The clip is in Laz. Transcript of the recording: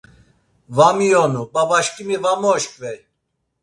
Va miyonu, babaşǩimi va moşǩvey.